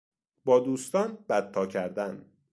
با دوستان بدتا کردن